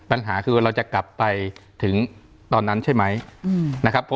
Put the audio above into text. ปัญหาคือเราจะกลับไปถึงตอนนั้นใช่ไหมนะครับ